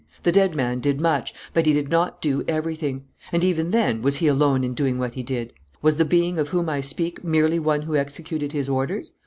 "The dead man did much, but he did not do everything. And, even then, was he alone in doing what he did? Was the being of whom I speak merely one who executed his orders?